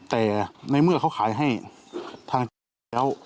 แต่ในเมื่อเขาขายให้ทางเจ้า